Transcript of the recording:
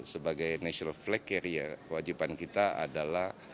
sebagai national flag carrier kewajiban kita adalah